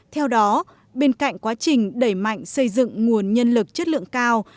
theo đó bên cạnh quá trình đẩy mạnh xây dựng nguồn nhân lực chất lượng cao